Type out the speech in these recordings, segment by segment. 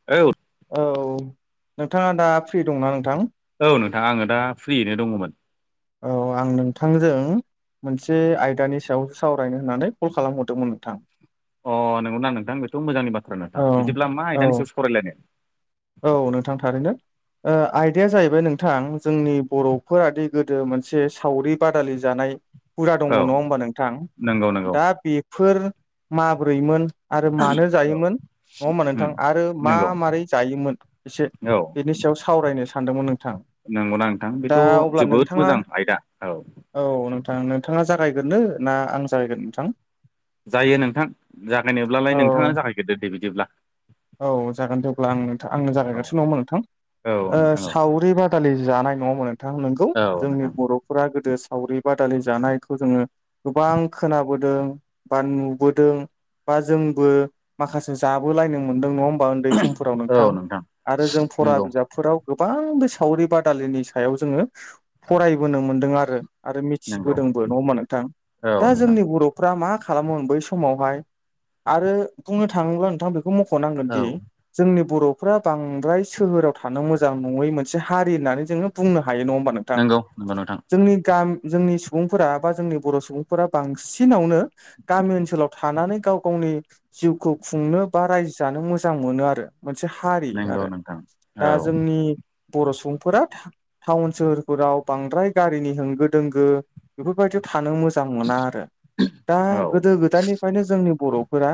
[unintelligible] औ नोंथाङा दा फ्रि दंना नोंथां? औ नोंथां आङो दा फ्रियैनो दङमोन। औ आं नोंथांजों मोनसे आयदानि सायाव सावरायनो होननानै कल खालामहरदोंमोन नोंथां। अ नंगौना नोंथां बेथ' मोजांनि बाथ्रा औ नोंथां बिदिब्ला मा औ आयदानि सायाव सावरायलायनो? औ नोंथां थारैनो। आयदाया जाहैबाय नोंथां जोंनि बर'फोरादि गोदो मोनसे सावरि बादालि जानाय हुदा दङ औ नङा होमबा नोंथां? नंगौ नंगौ दा बेफोर माब्रैमोन आरो मानो औ जायोमोन नङा होमबा उम नोंथां? आरो मा नंगौ मारै जायोमोन एसे औ। बेनि सायाव सावरायनो सानदोंमोन नोंथां। नंगौना नोंथां? दा बेथ' अब्ला जोबोद नोंथाङा मोजां आयदा औ। औ नोंथां नोंथाङा जागायग्रोनो ना आं जागायग्रोनो नोंथां? जायो नोंथां औ जागायनोब्लालाय नोंथाङा जागायग्रोदो दे बिदिब्ला। औ जागोन दे, अब्ला आंथ' आंनो औ जागायग्रोनोसै नङा होमबा नोंथां? औ ओ नोंथां औ साव -रि बादालि जानाय नङा होनबा नोंथां? नोंगौ औ जोंनि नोंथां बर' -फोरा गोदो सावरि बादालि जानायखौ जोङो गोबां खोनाबोदों बा नुबोदों। बा जोंबो माखासे जाबोलायनो मोनदों नङा होमबा? उन्दै समफोराव नोंथां आरो जों फरा नंगौ बिजाब -फोराव गोबां बे सावरि बादालिनि सायाव जोङो फरायबोनो मोन्दों आरो। आरो नंगौ मिथिबोदोंबो नङा होनबा नोंथां? औ दा नोंथां जोंनि बर' -फ्रा मा खालामोमोन बै समावहाय आरो बुंनो थाङोब्ला नोंथां बेखौ [unintelligible] मखनांगोन औ दि जोंनि बर'फ्रा बांद्राय सोहोराव थानो मोजां नङै मोनसे हारि होननानै जोङो बुंनो हायो नङा होमबा नोंथां? थां नंगौ नंगौ नोंथां जोंनि गाम जोंनि सुबुंफोरा बा जोंनि बर' सुबुंफोरा बांसिनावनो गामि ओनसोलाव थानानै गाव गावनि जिउखौ खुंनो बा रायजो जानो मोजां मोनो आरो मोनसे हारि नंगौ आरो नोंथां दा औ जोंनि बर' सुबुंफोरा टाउन सोहोरफोराव बांद्राय गारिनि होंगो दोंगो बेफोरबायदियाव थानो मो जां मोना आरो दा औ गोदो गोदायनिफ्रायनो जोंनि बर'फोरा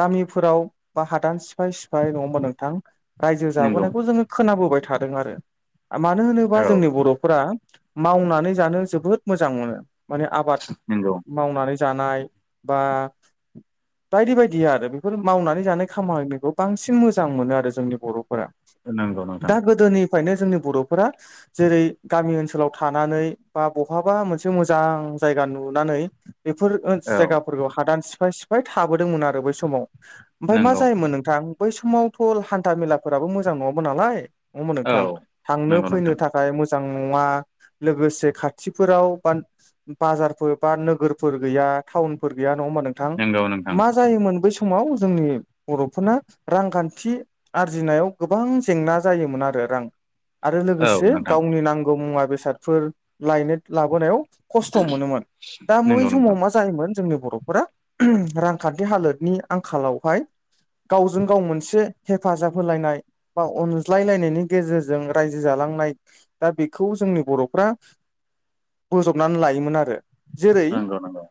गामिफोराव बा हादान सिफाय सिफाय नङा होनबा नोंथां रायजो नंगौ जाबोनायखौ जोङो खोनाबोबाय थादों आरो मानो होनोबा औ जोंनि बर'फोरा मावनानै जानो जोबोद मोजां मोनो। माने आबाद नंगौ मावनानै जानाय बा बायदि बायदि आरो बेफोर मावना नै जानाय खामानिखौ बांसिन मोजां मोनो आरो जोंनि बरफोरा नंगौ नोंथां दा गोदोनि फ्रायनो जोंनि बर'फोरा जेरै गामि ओनसोलाव थानानै बा बहाबा मोनसे मोजां जायगा नुनानै बेफोर ओन औ जायगाफोरखौ हादान सिफाय सिफाय थाबोदोंमोन आरो बै समाव। ओमफाय मा नंगौ जायोमोन नोंथां बै समावथ' हान्था मेलाफोराबो मोजां नङामोन नालाय नङा होनबा औ नोंथां थांनो नंगौ फैनो नोंथां था फ्राय मोजां नङा लोगोसे खाथिफोराव बा बाजारफोर बा नोगोरफोर गैया टाउनफोर गैया नङा होनबा नों थां नंगौ नोंथां मा जायोमोन बै समाव जोंनि बर'फोरना रांखान्थि आरजिनायाव गोबां जेंना जायोमोन आरो रां आरो औ लोगोसे नोंथां गावनि नांगौ मुवा बेसादफोर लायनो लाबोनायाव खस्थ' मोनोमोन दा बै नंगौ समाव नोंथां मा जायोमोन जोंनि बर'फोरा रांखान्थि हालोदनि आंखालावहाय गावजों गाव मोनसे हेफाजाब होलायनाय बा अनज्लायलायनायनि गेजेरजों रायजो जालांनाय दा बेखौ जोंनि बर'फ्रा बोजबनानै लायोमोन आरो जेरै नंगौ नंगौ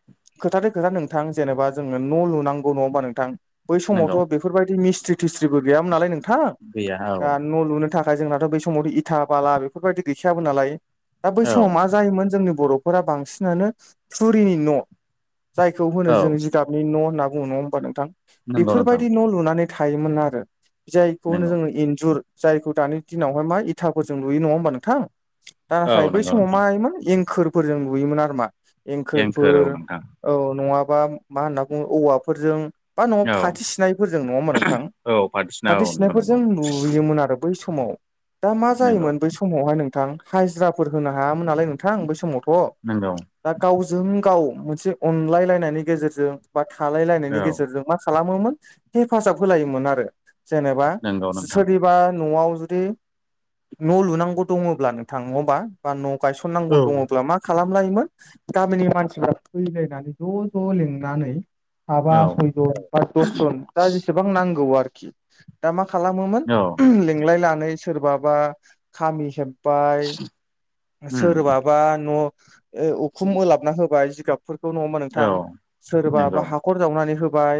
खोथाथे खोथा नोंथां जेनेबा जोङो न' लुनांगौ नङा होमबा नोंथां बै नंगौ समावथ' बेफोरबायदि मिस्थ्रि थिस्ट्रिफोर गैयामोन नालाय नोंथां गैया दा औ न' लुनो था खाय जोंनाथ बै समावथ इथा बाला बेफोरबायदि गैखायामोन नालाय बा बै समाव औ मा जायोमोन जोंनि बर'फोरा बांसिनानो थुरिनि न जायखौ होनो जों औ जिगाबनि न' होनना बुङो नङा होमबा नोंथां नंगौ नोंथां बेफोरबायदि न' लुनानै थायोमोन आरो जायखौ होनो नंगौ जोङो इन्जुर जायखौ दानि दिनावहाय मा इथाफोरजों लुयो नङा होमबा नोंथां औ नाथाय बै नंगौ समाव नोंथां मायोमोन एंखोरफोरजों लुयोमोन आरो मा एंखोर एंखोरफोर औ नोंथां औ नङाबा मा होनना बुङो औवाफोरजों बा न'आव औ फाथो सिनायफोरजों नङा होमबा नोंथां औ बायदिसिना फाथो औ नंगौ सिनायफोरजों लुयोमोन आरो बै समाव दा मा नंगौ जायोमोन बै समावहाय नोंथां हाजिराफोर होनो हायामोन नालाय नोंथां बै समावथ' नंगौ दा गावजों गाव मोनसे अनलायलायनायनि गेजेरजों बा थालाय लायनायनि औ गेजेरजों मा खालामो मोन हेफाजाब होलायोमोन आरो जेनबा नंगौ नोंथां सोरनि बा न'आव जुदि न' लुनांगौ दङब्ला नोंथा नङा होमबा बा न' औ गायसननांगौ दङब्ला मा खालामलायोमोन गामिनि मानसिफ्रा फैलायनानै ज' ज' लिंनानै साबा औ सयजन बा दसजन दा जसेबां नांगौ आरोखि दा मा खालामोमोन औ लिंलायनानै सोरबाबा खामि हेब बाय उम सोरबाबा न' ओ उखुम होलाबना होबाय जिगाब फोरखौ नङा होमबा औ नोंथां सोरबाबा नंगौ हाखर जावनानै होबाय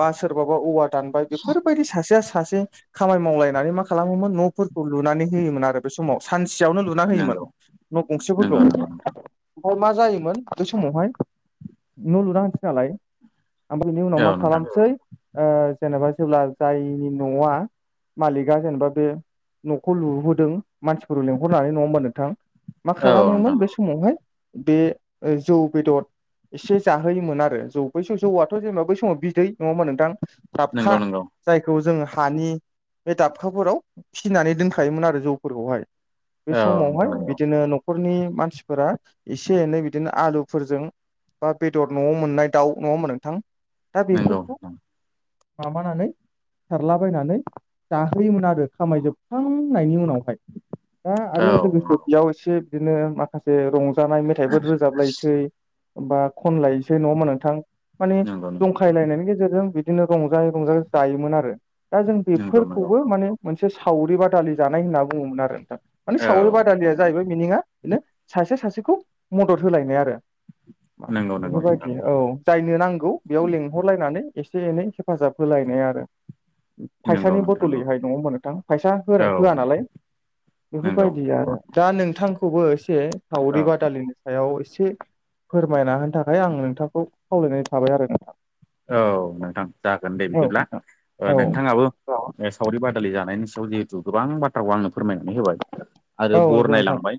बा सोरबाबा औवा दानबाय बेफोरबायदि सासेया सासे खामानि मावलायनानै मा खालामोमोन न'फोरखौ लुनानै होयोमोन आरो बै समाव सानसेयावनो लुना होयोमोन नंगौ न' गंसेफोरखौ। नंगौ नंगौ नोंथां ओमफ्राय मा जायोमोन बे समावहाय न' लुना होनसै नालाय ओमफ्राय बिनि उनाव मा औ नोंथां खालामसै ओ जेनेबा जेब्ला जायनि न'आ मालिकआ जेनेबा बे न'खौ लुबोदों मानसिफोराव लेंहरनानै, नङा होमबा नोंथां? मा औ नोंथां खालामोमोन बे स समावहाय बे जौ बेदद एसे जाहोयोमोन आरो जौ बै ज-जौआथ' थ' जेनेबा बै समाव बिदै नङा होमबा नोंथां दाबखा। नंगौ नंगौ जायखौ जोंङ हानि बे दाबखाफोराव फिनानै दोनखायोमोन आरो जौफोरखौहाय। बे औ नोंथां समावहाय नंगौ बिदिनो न' न'खरनि मानसिफोरा एसे एनै बिदिनो आलुफोरजों बा बेदर न'आव मोन्नाय दाउ, नङा होमबा नोंथां? दा नंगौ बेफोरखौ माबानानै सारलाबायनानै जाहोयोमोन आरो खामायजोबखांनायनि उनावहाय। दा आरो नोंथां औ लोगोसे नंगौ बेयाव एसे बिदिनो माखासे रंजानाय मेथाइफोर रोजाबलायसै। बा खनलायसै नङा होमबा नोंथां? माने नंगौ नोंथां बेनायनि गेजेरजों बिदिनो रंजायै रंजा जायोमोन आरो दा जों नंगौ नंगौ बेफोरखौबो माने मोनसे सावरि बादालि जानाय होनना बुङोमोन आरो नोंथां। माने औ सावरि बादालिया जाहैबाय मिनिङा बेनो सासेआ सासेखौ मदद होलायनाय आरो। नंगौ नंगौ नोंथां बेफोरबायदि औ। जायनो नांगौ बेयाव लेंहरलायनानै एसे एनै हेफाजाब होलायनाय आरो। नंगौ फैसानि नोंथां नंगौ बदलैहाय नङा होमबा नोंथां? फैसा औ होआ नालाय नंगौ बेफोरबायदि आरो। दा नोंथांखौबो एसे औ सावरि बादालिनि सायाव एसे फोरमायना होनो थाखाय आं नोंथांखौ खावलायनाय थाबाय आरो ना। औ नोंथां जागोन दे बिदिब्ला। नोंथां ओ औ नोंथां नोंथाङाबो सावरि बादालि जानायनि सायाव जिहेतु गोबां बा थाराखौ आंनो फोरमायनानै होबाय आरो औ नंगौ नोंथां बरनायलांबाय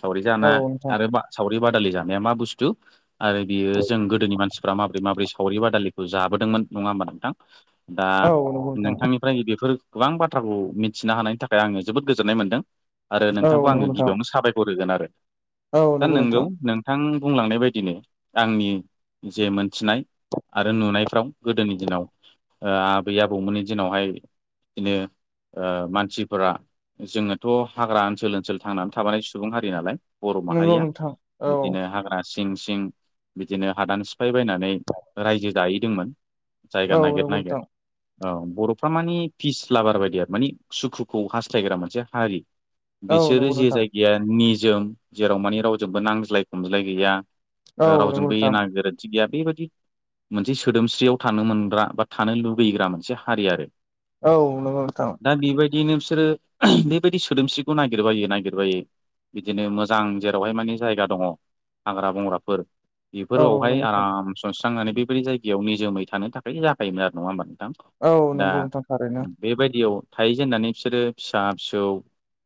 सावरि औ जाना आरो बा सावरि बादालि जानाया मा बुस्थु आरो बियो जों गोदोनि मानसिफ्रा माब्रै माब्रै सावरि बादालिखौ जाबोदोंमोन, नङा होमबा नोंथां? दा नोंथां नोंथांनि फ्राय बेफोर गोबां बाथ्राखौ मिथिनो हानायनि थाखाय आङो जोबोद गोजोननाय मोनदों। आरो औ नोंथांखौ आङो नंगौ नोंथां गिबियावनो साबायखर होगोन आरो औ दा नंगौ नोंथां औ नंगौ नोंगौ नोंथां नों बिथां बुंलांनाय बायदिनो आंनि जे मोनथिनाय आरो नुनायफ्राव गोदोनि दिनाव आबै आबौमोननि दिनावहाय बिदिनो मानसिफोरा जोङोथ' हाग्रा ओनसोल ओनसोल थांनानै थाबोनाय सुबुं हारि नालाय, बर' नंगौ माहारिया। नोंथां औ बिदिनो हाग्रा सिं सिं बिदिनो हादान सिफाय बायनानै रायजो जाहैदोंमोन। जायगा नागेर नागेर। औ बर'फ्रा माने पिस लाभार बायदि आरो मानि सुखुखौ हास्थायग्रा मोनसे हारि। औ बिसोरो नंगौ जे नोंथां जायगाया निजोम जेराव माने रावजोंबो नांज्लाय खमज्लाय गैया औ नंगौ रावजोंबो नोंथां एना गोरोन्थि गैया बेबायदि मोनसे सोदोमस्रियाव थानो मोनग्रा बा थानो लुबैग्रा मोनसे हारि आरो। औ नंगौ नोंथां। दा बेबायदिनो बिसोरो बेबायदि सोदोमस्रिखौ नागिरबायो नागिरबायो। बिदिनो मोजां जेरावहाय माने जायगा दङ हाग्रा बंग्राफोर औ नंगौ बेफोरावहाय नोंथां आराम सनस्रांनानै बेबायदि जायगायाव निजोमै थानो थाखाय जाखायोमोन आरो नङा होमबा नोंथां? औ दा नंगौ नोंथां थारैनो। बेबायदियाव थायैजेननानै बिसोरो फिसा फिसौ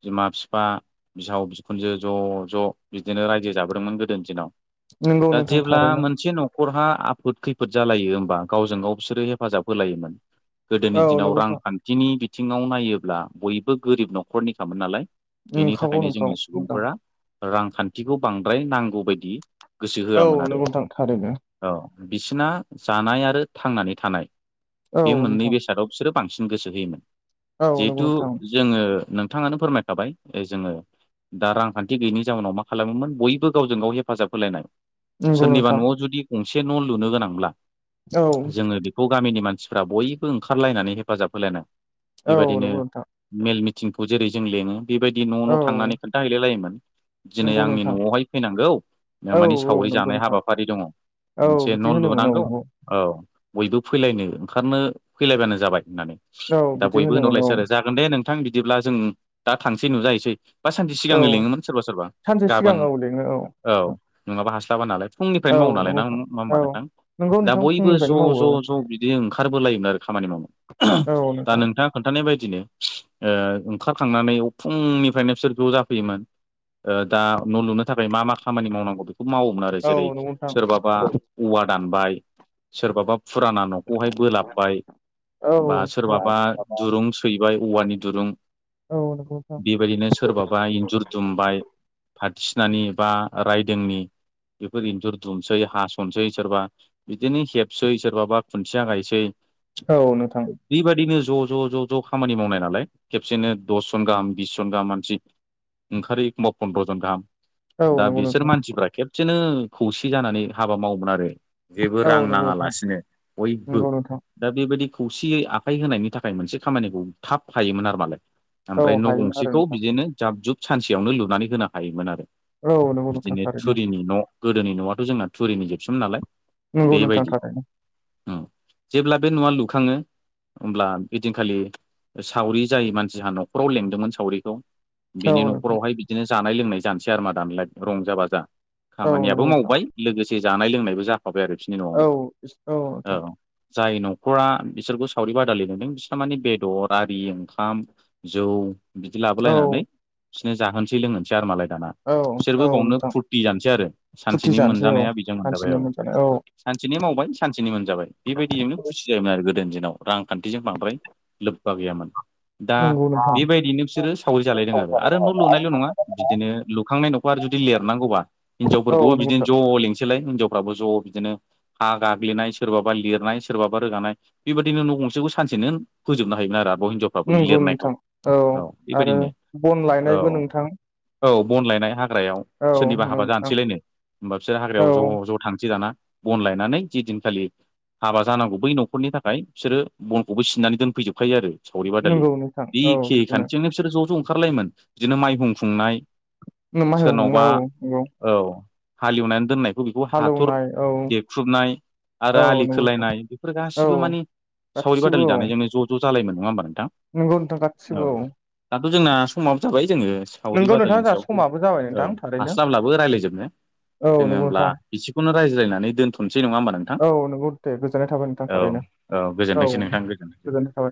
बिमा बिफा बिहाव बिखुनजो ज' ज' बिदिनो रायजो जाबोदोंमोन गोदोनि दिनाव। नंगौ दा नोंथां जेब्ला थारैनो मोनसे न' न'खरहा आफोद खैफोद जालायो होमबा गावजों गाव बिसोरो हेफाजाब होलायोमोन। गोदोनि औ दिनाव नंगौ नोंथां रांखान्थिनि बिथिङाव नायोब्ला बयबो गोरिब न'खरनिखामोन नालाय। बेनि नंखागौ थाखायनो नंगौ जोंनि नोंथां सुबुंफोरा रांखान्थिखौ बांद्राय नांगौ बायदि गोसो औ होआमोन नंगौ आरो नोंथां थारैनो औ। बिसिना जानाय आरो थांनानै थानाय औ बे मोननै नोंथां बेसादाव बिसोरो बांसिन गोसो होयोमोन औ नंगौ जिहेथु नोंथां जोङो नोंथाङानो फोरमायखाबाय जोंङो दा रांखान्थि गैयैनि जाउनाव मा खालामोमोन बयबो गावजों गाव हेफाजाब होलायनाय नंगौ सोरनिबा नोंथां न'आव जुदि गंसे न' लुनो गोनांब्ला औ जोङो बे ग' गामिनि मानसिफ्रा बयबो ओंखारलायनानै हेफाजाब होलायनाय औ बेबायदिनो नंगौ नोंथां मेल मिटिंखौ जेरै जों लेङो बेबायदि न' न' औ थांनानै खोन्थाहैलाय लायोमोन दिनै नंगौ आंनि नोंथां न'आवहाय फैनांगौ औ माने औ सावरि नंगौ जानाय नोंथां हाबाफारि दङ औ मोनसे बिदि न' होनोमोन औ लुनांगौ नंगौ औ बयबो फैलायनो ओंखारनो फैलायबानो जाबाय होननानै औ दा बिदि बयबो होनोमोन औ होनहरलायसै आरो जागोन दे नोंथां बिदिब्ला जों दा थांसै नुजाहैसै बा सानसे औ सिगांनो लिङोमोन सोरबा सोरबा सानसे सिगां गाबोन औ लिङो औ नङाबा हास्लाबा नालाय औ फुंनिफ्रायनो मावो नालाय नंगौ नां नोंथां मा होनोमब औ नोंथां नंगौ दा नोंथां बयबो ज' फुंनिफ्रायनो मावो ज' औ ज' बिदि ओंखारबोलायोमोन आरो खामानि मावनो औ दा नोंथां नोंथाङ खोन्थानाय बायदिनो ओंखारखांनानै उ फुंनिफ्रायनो बिसोर बेयाव जाफैयोमोन दा न' लुनो थाखाय मा मा खामानि मावनांगौ खौ मावोमोन आरो औ जेरै नंगौ नोंथां सोरबाबा औवा दानबाय सोरबाबा फुराना न'खौहाय बोलाबबाय औ बा सोरबाबा दुरुं सैबाय औवानि दुरुं औ नंगौ नोंथां बेबायदिनो सोरबाबा इन्जुर जुमबाय फाथसिनानि बा रायदोंनि बेफोर इन्जुर दुमसै हास'ननोसै सोरबा बिदिनो हेबसै सोरबा बा खुन्थिया गायसै औ नोंथां बेबायदिनो ज' ज' ज' ज' खामानि मावनाय नालाय खेबसेनो दसजन गाहाम बिस जन गाहाम मानसि ओंखारो एखमबा पन्द्रजन गाहाम औ दा नंगौ बिसोर नोंथां मानसिफ्रा ख बिदिनो खौसे जानानै हाबा मावोमोन आरो जेबो औ रां नंगौ नोंथां नाङालासिनो बयबो नंगौ नोंथां दा बेबायदि खौसेयै आखाइ होनायनि थाखाय मोनसे खामानिखौ थाब हायोमोन आरो मालाय औ ओमफ्राय न' हायोमोन आरो गंसेखौ नोंथां बिदिनो जाब जुब सानसेयावनो लुनानै होनो हायोमोन आरो औ नंगौ नोंथां बिदिनो थारैनो थुरिनि न' गोदोनि न'आथ' जोंना थुरिनि जोबसिोम नालाय नंगौ नोंथां बेबायदि थारैनो जेब्ला बे न'आ लुखाङो होमब्ला बिदिनखालि सावरि जाय मानसिहा न'खराव लेंदोंमोन सावरिखौ औ बिनि नोंथां न'खरावहाय बिदिनो जानाय लोंनाय जानोसै आरोमा दानालाय रंजा बाजा औ खामानियाबो नंगौ नोंथां मावबाय लोगोसे जानाय लोंनायबो जाफाबाय आरो बिसनि औ न'आवनो औ जाय न'खरा बिसोरखौ सावरि बादालि नुदों बिसना माने बेदर आरि ओंखाम जौ बिदि औ लाबोलायनानै बिसोरनो जाहोनोसै लोंहोनोसै आरो मालाय दाना औ औ बिसोरबो बावनो नोंथां फुरथि जानोसै आरो फुरथि सानसेनि जानोसै औ मोनजानाया बेजों मोनजाबाय हान्थिनो औ मोनजानाय सानसेनि मावबाय सानसेनि मोनजाबाय बेबायदिजोंनो खुसि जायोमोन आरो गोदोनि दिनाव रांखान्थिजों बांद्राय लोब्बा गैयामोन दा नंगौ नोंथां बेबायदिनो बिसोरो सावरि जालायदों आरो आरो न' लुनायल' नङा बिदिनो लुखांनाय न'खौ आरो जुदि लिरनांगौबा औ हिनजावफोरखौबो नंगौ बिदिनो नोंथां ज' लिंसैलाय हिनजफ्राबो ज' बिदिनो हा गाग्लिनाय सोरबाबा लिरनाय सोरबाबा रोगानाय बेबायदिनो न' गंसेखौानसेनो होोजोबनो हायोम आरोब' हिनजावखौ नंगौ लिरनायखौ नोंथां औ आरो बेबायदिनो बन औ लायनायबो नोंथां औ बनलायनाय हाग्रायाव औ नों मोनानसेैलायनो होमबा बिसोरो हाग्रायाव ज' ज' थांसै दाना बन लायनानै जि दिनखालि हाबा जानांगौ बै न'खरनि थाखाय बिसोरो बनखौबो सिननानै दोनफैजोबखायो आरो सावरिबादालि नंगौ नोंथां औ बेखे बिदिनो खान्थिजोंनो बिसोरो ज' ज' ओंखारलायोमोन बिदिनो माइहफुंनाय माइयाव हमनाय सोरनावबा औ नंगौ औ हालेवनानै दोननाय बेखौ हाथर हालेवनाय औ देख्रुबनाय आरो औ आलि नंगौ खोलायनाय बेफोर औ गासिबो माने सावरि गासिबो बादालि औ दानायजोंनो ज' ज' जायोम नङा होमबा नोंथां नंगौ नोंथां गासिबो औ दाथ' जोंना समाव जाबाय जोङो सावरि नोंगौ नोंथां बादालनि जोंहा सायावखौ समाबो जाबाय औ नोंथां थारैनो हास्लाबला बोरायज्लायजोबनो औ जोङो नंगौ होमब्ला नोंथां बिसिखौनो रायज्लायनानै दोनथ'नोसै नङा होमबा नों थां औ नंगौ दे गोजोननाय थाबाय नोंथां औ थारैनो औ गोजोनथोंसै नोंथां गोजोनथोंसै गोजोननाय थाबाय